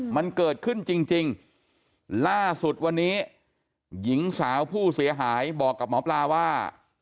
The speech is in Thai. มันเกิดขึ้นจริงล่าสุดวันนี้หญิงสาวผู้เสียหายบอกกับหมอปลาว่า